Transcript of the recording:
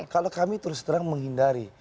kalau kami terus terang menghindari